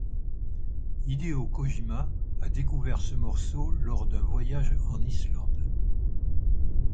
Hideo Kojima a découvert ce morceau lors d'un voyage en Islande.